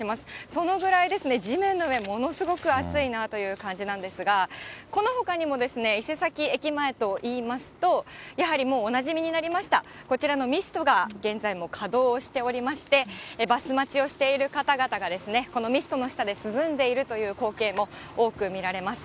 そのぐらいですね、地面の上、ものすごく暑いなという感じなんですが、このほかにも、伊勢崎駅前といいますと、やはりもう、おなじみになりました、こちらのミストが、現在も稼働をしておりまして、バス待ちをしている方々が、このミストの下で涼んでいるという光景も多く見られます。